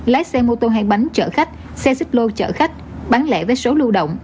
lái xe mô tô hàng bánh chở khách xe xích lô chở khách bán lẻ với số lưu động